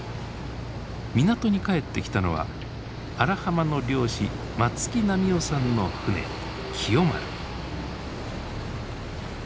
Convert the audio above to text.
港に帰ってきたのは荒浜の漁師松木波男さんの船喜代丸。